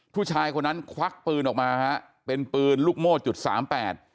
ผู้ชายคนนั้นควักปืนออกมาฮะเป็นปืนลูกโม่จุดสามแปด